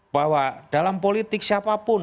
bahwa dalam politik siapapun